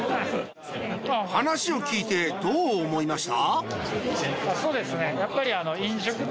話を聞いてどう思いました？